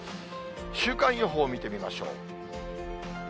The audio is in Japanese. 週間予報を見てみましょう。